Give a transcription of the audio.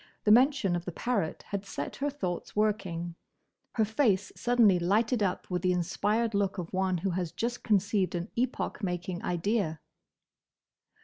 The mention of the parrot had set her thoughts working; her face suddenly lighted up with the inspired look of one who has just conceived an epoch making idea.